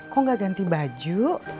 kok gak ganti baju